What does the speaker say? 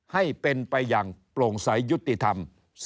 ให้เป็นไปอย่างโปร่งใสยุติธรรม